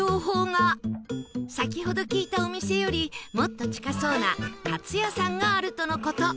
先ほど聞いたお店よりもっと近そうなカツ屋さんがあるとの事